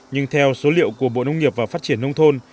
nhưng theo số liệu của bộ nông nghiệp và phát triển nông thôn